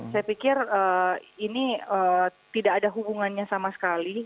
saya pikir ini tidak ada hubungannya sama sekali